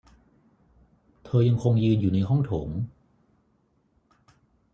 เธอยังคงยืนอยู่ในห้องโถง